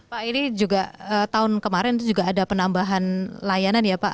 pak ini juga tahun kemarin itu juga ada penambahan layanan ya pak